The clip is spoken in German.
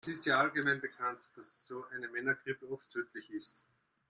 Es ist ja allgemein bekannt, dass so eine Männergrippe oft tödlich ist.